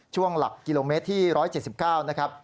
ช่วงหลักกิโลเมตรที่๑๗๙นะครับ